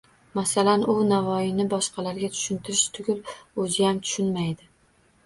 Masalan u Navoiyni boshqalarga tushuntirish tugul o‘ziyam tushunmaydi.